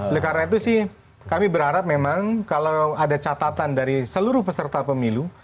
oleh karena itu sih kami berharap memang kalau ada catatan dari seluruh peserta pemilu